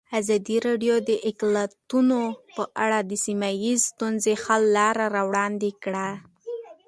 ازادي راډیو د اقلیتونه په اړه د سیمه ییزو ستونزو حل لارې راوړاندې کړې.